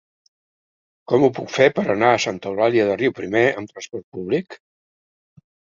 Com ho puc fer per anar a Santa Eulàlia de Riuprimer amb trasport públic?